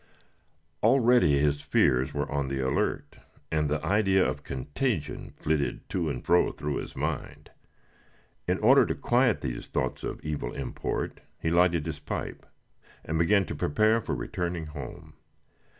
Already his fears were on the alert, and the idea of contagion flitted to and fro through his mind. In order to quiet these thoughts of evil import, he lighted his pipe, and began to prepare for returning home.